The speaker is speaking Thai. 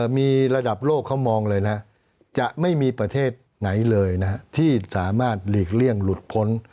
มีระดับโลกเขามองเลยนะจะไม่มีประเทศไหนเลยที่สามารถหลีกเลี่ยงหลุดพ้น